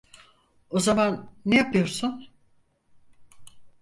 O zaman ne yapıyorsun?